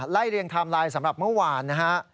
ไล่เรียงไทม์ไลน์สำหรับเมื่อวาน